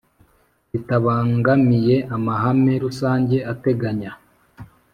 Bitabangamiye amahame rusange ateganya